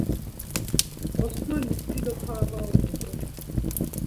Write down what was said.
Osmanis dido para var uğut̆u.